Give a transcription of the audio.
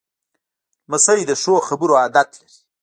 لمسی د ښو خبرو عادت لري.